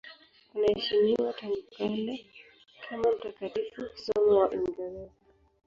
Anaheshimiwa tangu kale kama mtakatifu, somo wa Uingereza.